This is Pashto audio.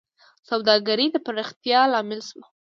سوداګرۍ د پراختیا لامل شوه.